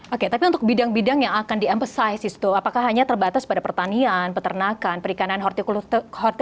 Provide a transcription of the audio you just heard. oke tapi untuk bidang bidang yang akan di emphasize apakah hanya terbatas pada pertanian peternakan perikanan horticultura atau lain sebagainya mas